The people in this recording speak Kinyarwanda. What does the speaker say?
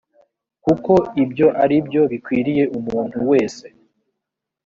kuko ibyo ari byo bikwiriye umuntu wese